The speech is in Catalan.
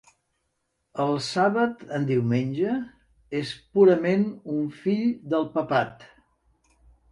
El sàbat en diumenge és purament un fill del papat.